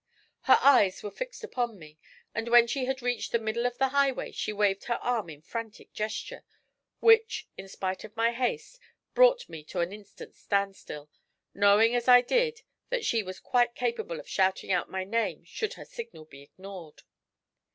Her eyes were fixed upon me, and when she had reached the middle of the highway she waved her arm in frantic gesture, which, in spite of my haste, brought me to an instant standstill, knowing as I did that she was quite capable of shouting out my name should her signal be ignored.